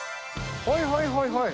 はいはいはいはい。